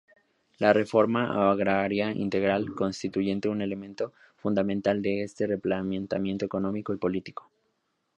La reforma agraria integral constituye un elemento fundamental de ese replanteamiento económico y político.